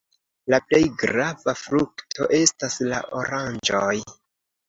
La plej grava frukto estas la oranĝoj.